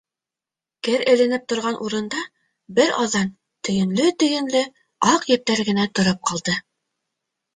Кер эленеп торған урында бер аҙҙан төйөнлө-төйөнлө аҡ ептәр генә тороп ҡалды.